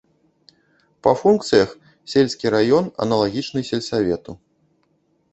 Па функцыях сельскі раён аналагічны сельсавету.